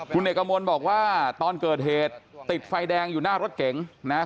คุณเอกมณบอกว่าตอนเกิดเหตุติดไฟแดงอยู่หน้ารถเก๋งของท่านที่มาทำลายนี้แหละ